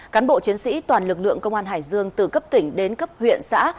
cán bộ chiến sĩ toàn lực lượng công an hải dương từ cấp tỉnh đến cấp huyện xã